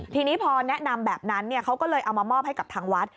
ทีนี้พอแนะนำแบบนั้นเขาก็เลยเอามามอบให้กับทางวัด